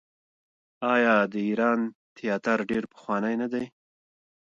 آیا د ایران تیاتر ډیر پخوانی نه دی؟